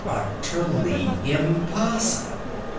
Utterly impossible!